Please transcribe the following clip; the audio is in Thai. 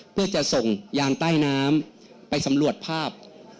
เพื่อจะส่งยานใต้น้ำไปสำรวจภาพ